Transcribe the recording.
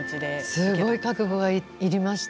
すごい覚悟がいりました。